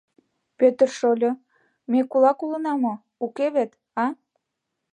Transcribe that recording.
— Пӧтыр шольо... ме кулак улына мо, уке вет, а?